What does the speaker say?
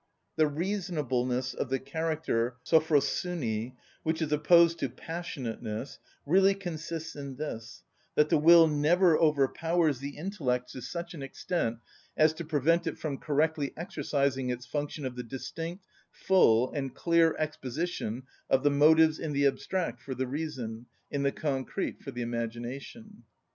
The reasonableness of the character σωφροσυνη, which is opposed to passionateness, really consists in this, that the will never overpowers the intellect to such an extent as to prevent it from correctly exercising its function of the distinct, full, and clear exposition of the motives in the abstract for the reason, in the concrete for the imagination.